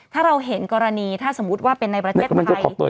ถ้าเราเห็นกรณีถ้าสมมุติว่าเป็นในประเทศไทย